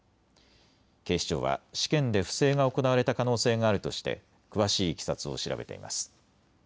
警視庁は試験で不正が行われた可能性があるとして詳しいいきさつを調べています。